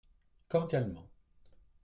Cordialement.